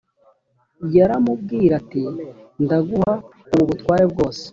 yaramubwira ati ndaguha ubu butware bwose.